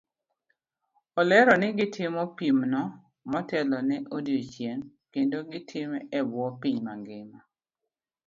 Olero ni gitimo pimno motelo ne odiochieng' kedo gi tb ebuo piny mangima.